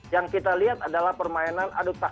yang kita lihat adalah permainan adu tak